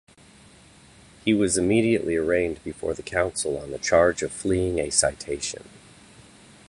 He was immediately arraigned before the council on the charge of fleeing a citation.